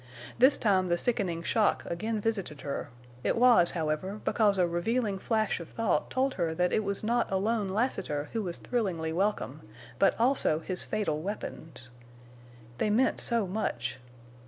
This time the sickening shock again visited her, it was, however, because a revealing flash of thought told her that it was not alone Lassiter who was thrillingly welcome, but also his fatal weapons. They meant so much.